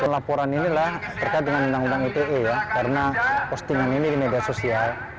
laporan inilah terkait dengan undang undang ite ya karena postingan ini di media sosial